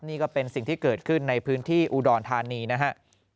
นี่ก็เป็นสิ่งที่เกิดขึ้นในพื้นที่อุดรธานีนะฮะ